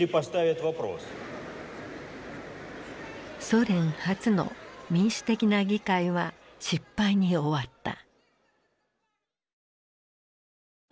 ソ連初の民主的な議会は失敗に終わった。